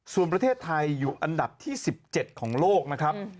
ส่วนประเทศไทยอยู่อันดับที่๑๗ของโลกนะครับ